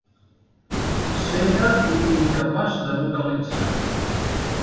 Cega i incapaç de vocalitzar.